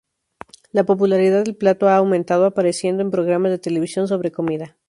La popularidad del plato ha aumentado, apareciendo en programas de televisión sobre comida.